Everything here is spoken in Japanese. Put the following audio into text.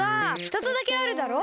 ひとつだけあるだろ？